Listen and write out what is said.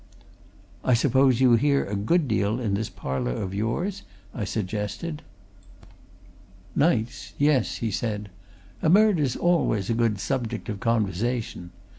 "I suppose you hear a good deal in this parlour of yours?" I suggested. "Nights yes," he said. "A murder's always a good subject of conversation.